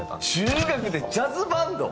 中学でジャズバンド？